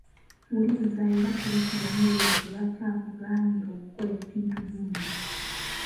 Wuliriza era siriikiriramu weebuuze lwaki akugaanyi okukola ekintu gundi.